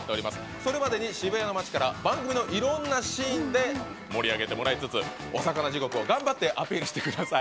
それまでに渋谷の街から番組のいろんなシーンで盛り上げてもらいつつ「おさかな地獄」を頑張ってアピールしてください。